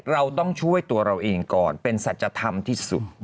เราต้องช่วยตัวเราเองก่อนเป็นสัจธรรมที่สุด